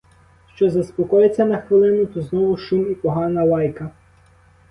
Що заспокояться на хвилину, то знову шум і погана лайка.